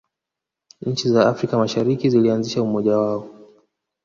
nchi za afrika mashariki zilianzisha umoja wao